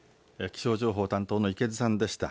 気象情報担当の池津さんでした。